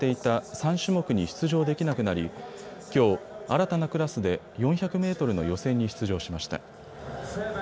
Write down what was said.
３種目に出場できなくなりきょう新たなクラスで４００メートルの予選に出場しました。